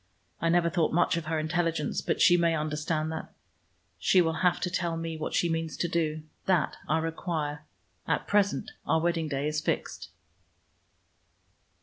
I never thought much of her intelligence, but she may understand that. She will have to tell me what she means to do. That I require. At present our wedding day is fixed."